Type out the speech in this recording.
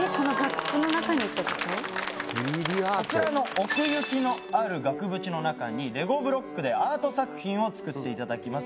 こちらの奥行きのある額縁の中にレゴブロックでアート作品を作っていただきます